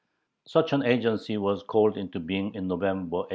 Such an agency was called into being in November, 1802.